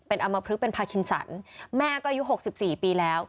เป็นอัมพลึกเป็นพาร์คินสันแม่ก็อายุหกสิบสี่ปีแล้ว